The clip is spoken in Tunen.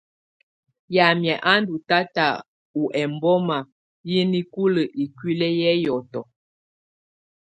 Yamɛ̀á a ndù tata ɔ ɛmbɔma yɛ nikulǝ ikuili yɛ hiɔtɔ.